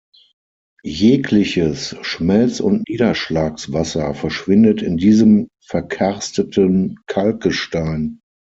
Jegliches Schmelz- und Niederschlagswasser verschwindet in diesem verkarsteten Kalkgestein.